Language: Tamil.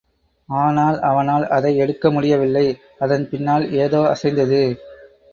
ஆனால் அவனால் அதை எடுக்க முடியவில்லை, அதன் பின்னால் ஏதோ அசைந்தது.